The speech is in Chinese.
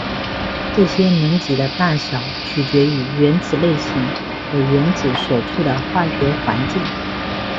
这些能级的大小取决于原子类型和原子所处的化学环境。